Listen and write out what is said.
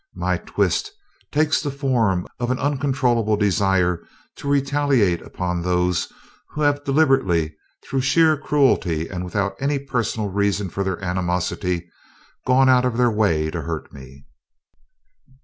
My 'twist' takes the form of an uncontrollable desire to retaliate upon those who have deliberately, through sheer cruelty and without any personal reason for their animosity, gone out of their way to hurt me."